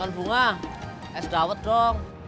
makan bunga es dawet dong